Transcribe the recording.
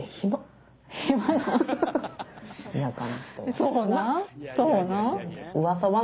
そうなん？